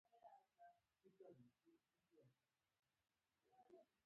زما په لیدو یې یو او بل ته څه وویل.